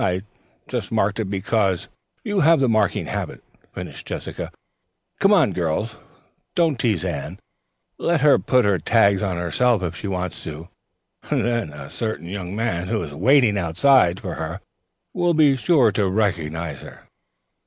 "I just marked it because " "You have the marking habit," finished Jessica. "Come on, girls. Don't tease Anne. Let her put tags on herself if she wants to. Then a certain young man who is waiting outside for her will be sure to recognize her.